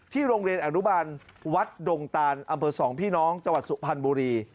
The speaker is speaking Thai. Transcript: ที่โรงเรียนอรุบาลวัดดงตานอสองพี่น้องจสุพรรณบุรี